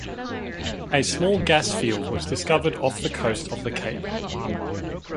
A small gas field was discovered off the coast of the Cape.